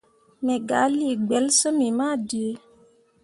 Me gah lii gbelsyimmi ma dǝǝ.